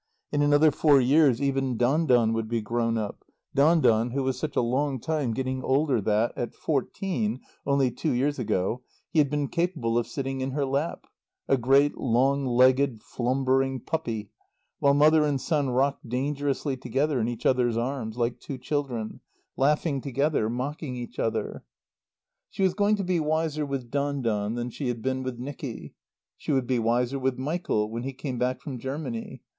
In another four years even Don Don would be grown up Don Don who was such a long time getting older that at fourteen, only two years ago, he had been capable of sitting in her lap, a great long legged, flumbering puppy, while mother and son rocked dangerously together in each other's arms, like two children, laughing together, mocking each other. She was going to be wiser with Don Don than she had been with Nicky. She would be wiser with Michael when he came back from Germany.